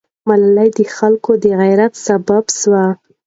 ملالۍ د خلکو د غیرت سبب سوه.